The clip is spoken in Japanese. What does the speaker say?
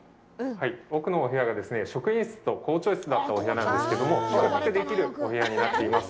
奥のお部屋が職員室と校長室だったお部屋だったんですけど、宿泊できるお部屋になっています。